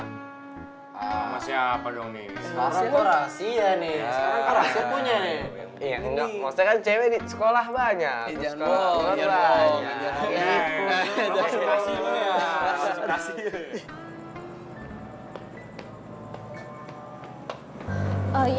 masih apa dong nih sekarang berhasil ya nih